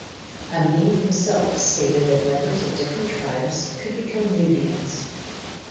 Amin himself stated that members of different tribes could become Nubians.